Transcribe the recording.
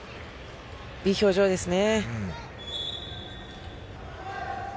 いい表情ですね。